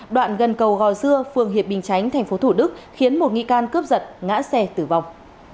đoạn gần cầu gò dưa phường hiệp bình chánh tp thủ đức khiến một nghi can cướp giật ngã xe tử vong